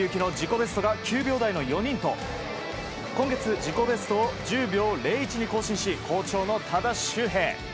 ベストが９秒台の４人と今月、自己ベストを１０秒０１に更新し好調の多田修平。